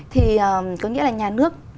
thì có nghĩa là nhà nước